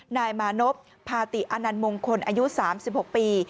นายมานพพาติอนันมงคลอายุ๓๖ปี